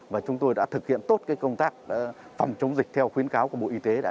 và chúng tôi đã thực hiện tốt công tác phòng chống dịch theo khuyến cáo của bộ y tế đã đề ra